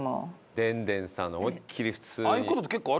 でんでんさん思いっきり普通に。